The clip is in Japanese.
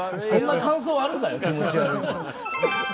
そんな感想あるかよ。